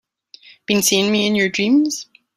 Been seeing me in your dreams?